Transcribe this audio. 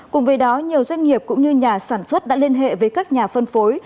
cùng với đó nhiều doanh nghiệp cũng như nhà sản xuất đã liên hệ với các nhà phân phối